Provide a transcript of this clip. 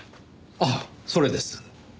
あっそれです。